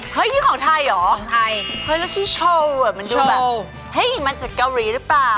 เฮ้ยนี่ของไทยหรอมันดูแบบเฮ้ยมันจากเกาหลีรึเปล่า